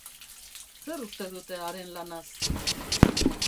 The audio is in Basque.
Zer uste dute haren lanaz?